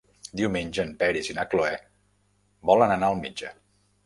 Diumenge en Peris i na Cloè volen anar al metge.